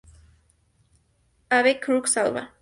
Ave Crux Alba